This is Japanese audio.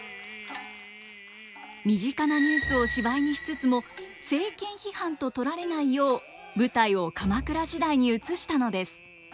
身近なニュースを芝居にしつつも政権批判と取られないよう舞台を鎌倉時代に移したのです。